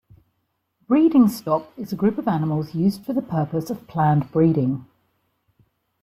Breeding stock is a group of animals used for the purpose of planned breeding.